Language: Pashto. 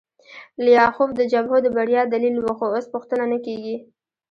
لیاخوف د جبهو د بریا دلیل و خو اوس پوښتنه نه کیږي